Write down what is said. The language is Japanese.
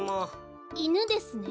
いぬですね。